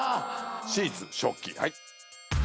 シーツ食器はい。